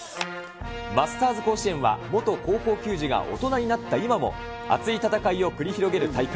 マスターズ甲子園は元高校球児が大人になった今も、熱い戦いを繰り広げる大会。